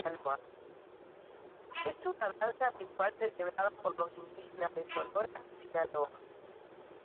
Es una danza ritual celebrada por los indígenas de Sonora y Sinaloa.